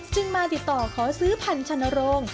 มาติดต่อขอซื้อพันธนโรง